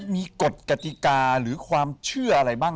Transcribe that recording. มีกฎกติกาหรือความเชื่ออะไรบ้าง